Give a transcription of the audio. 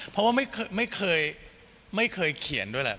เพราะว่าไม่เคยเขียนด้วยแหละ